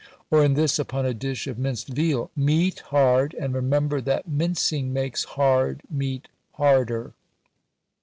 or this upon a dish of minced veal, "Meat hard, and remember that mincing makes hard meat harder."